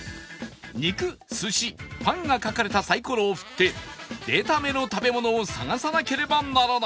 「肉」「寿司」「パン」が描かれたサイコロを振って出た目の食べ物を探さなければならない